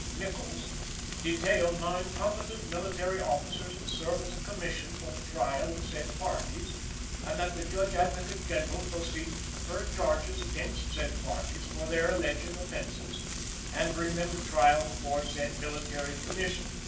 Nichols) detail nine competent military officers to serve as a Commission for the trial of said parties, and that the Judge Advocate General proceed to prefer charges against said parties for their alleged offences, and bring them to trial before said Military Commission."